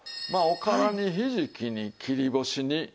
まあおからにひじきに切り干しに。